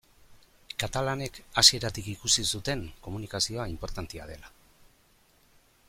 Katalanek hasieratik ikusi zuten komunikazioa inportantea dela.